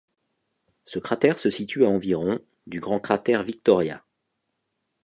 Ce cratère se situe à environ du grand cratère Victoria.